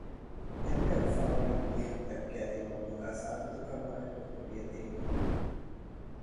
އެންމެ އުފާވަނީ މީހަކު ދައްކައިދިން މަގުގައި ސާބިތުކަމާއެކު ކުރިއަށް ދިއުމުން